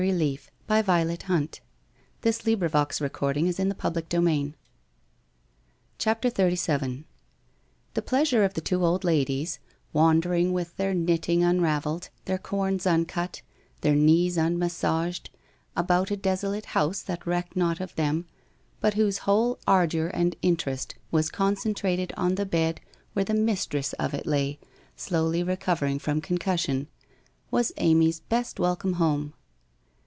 Kiss me now, once — in kindness — in honour — for the very last time,' CHAPTER XXXVII The pleasure of the two old ladies, wandering with their knitting unravelled, their corns uncut, their knees un massaged, about a desolate house that recked not of them, hut whose whole ardour and interest was concentrated on the bed where the mistress of it lay, slowly recovering from concussion, was Amy's best welcome home.